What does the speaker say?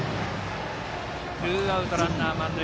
ツーアウト、ランナー、満塁。